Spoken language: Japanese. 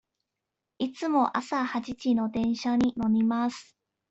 いつも朝八時の電車に乗ります。